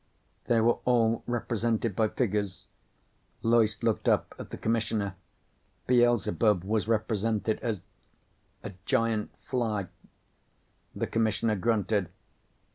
"They were all represented by figures." Loyce looked up at the Commissioner. "Beelzebub was represented as a giant fly." The Commissioner grunted.